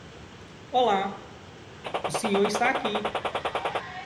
Olá, Siôn está aqui.